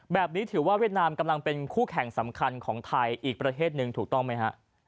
แบบนี้ถือว่าเวียดนามกำลังเป็นคู่แข่งสำคัญของไทยอีกประเทศหนึ่งถูกต้องไหมฮะ